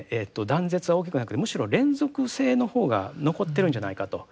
断絶は大きくなくてむしろ連続性の方が残っているんじゃないかと。